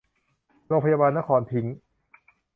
โรงพยาบาลนครพิงค์